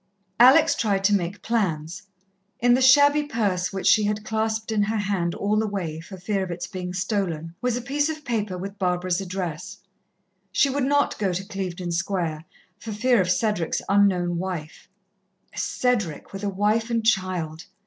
Alex tried to make plans. In the shabby purse which she had clasped in her hand all the way, for fear of its being stolen, was a piece of paper with Barbara's address. She would not go to Clevedon Square, for fear of Cedric's unknown wife. Cedric with a wife and child!